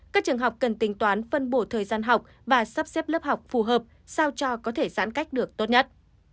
các trường học cần tính toán phân bổ thời gian học và sắp xếp lớp học phù hợp sao cho có thể giãn cách được tốt nhất